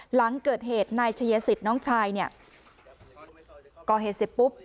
หลังเกิดเหตุนายชัยสิทธิ์น้องชายเนี่ยก่อเหตุเสร็จปุ๊บ